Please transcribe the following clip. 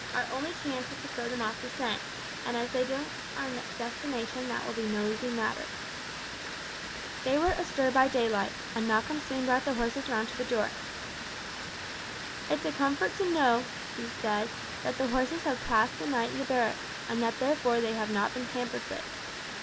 Our only chance is to throw them off the scent, and as they know our destination that will be no easy matter." They were astir by daylight, and Malcolm soon brought the horses round to the door. "It's a comfort to know," he said, "that the horses have passed the night in the barracks, and that therefore they have not been tampered with.